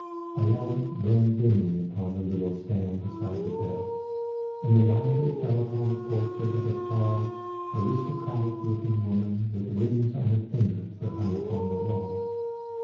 A lamp burned dimly upon the little stand beside the bed and the light of it fell upon the portrait of a tall, aristocratic looking woman with rings on her fingers, that hung upon the wall.